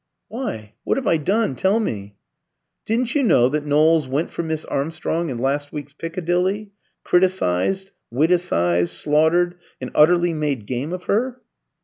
"Why? What have I done? Tell me." "Didn't you know that Knowles went for Miss Armstrong in last week's 'Piccadilly'? Criticised, witticised, slaughtered, and utterly made game of her?"